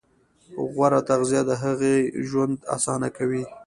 غوره تغذیه د هغوی ژوند اسانه کوي.